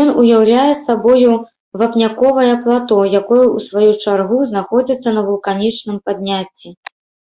Ён уяўляе сабою вапняковае плато, якое ў сваю чаргу знаходзіцца на вулканічным падняцці.